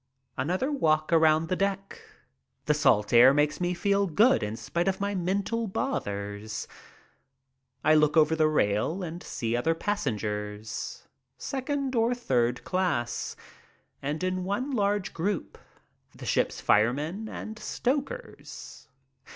Another walk around the deck. The salt air makes me feel good in spite of my mental bothers. I look over the rail and see other passengers, second or third class, and in one large group the ship's firemen and stokers.